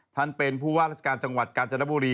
ท่านเป็นผู้ว่าราชการจังหวัดกาญจนบุรี